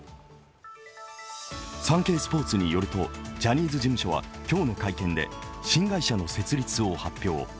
「サンケイスポーツ」によるとジャニーズ事務所は今日の会見で、新会社の設立を発表。